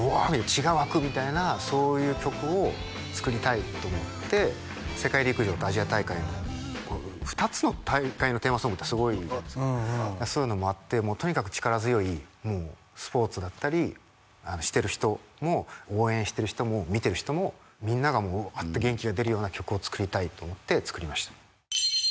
血が沸くみたいなそういう曲を作りたいと思って「世界陸上」と「アジア大会」のこういう２つの大会のテーマソングってすごいそういうのもあってもうとにかく力強いスポーツだったりしてる人も応援してる人も見てる人もみんながもうウワッて元気が出るような曲を作りたいと思って作りました